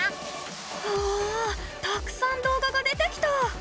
うわたくさん動画が出てきた！